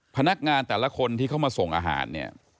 พนักงานแต่ละคนที่เข้ามาส่งอาหารเนี่ย